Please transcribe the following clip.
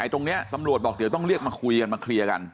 ตรงนี้ตำรวจบอกเดี๋ยวต้องเรียกมาคุยกันมาเคลียร์กัน